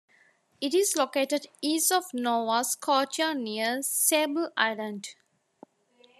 It is located east of Nova Scotia near Sable Island.